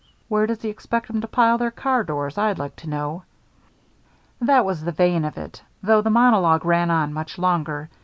Where does he expect 'em to pile their car doors, I'd like to know." That was the vein of it, though the monologue ran on much longer.